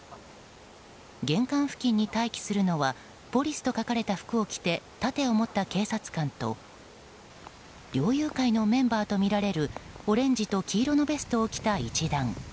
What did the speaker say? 玄関付近に待機するのはポリスと書かれた服を着て盾を持った警察官と猟友会のメンバーとみられるオレンジと黄色のベストを着た一団。